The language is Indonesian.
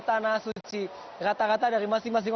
tanah suci rata rata dari masing masing